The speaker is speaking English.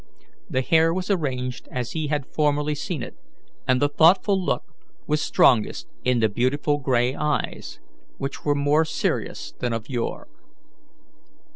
The hair was arranged as he had formerly seen it, and the thoughtful look was strongest in the beautiful grey eyes, which were more serious than of yore.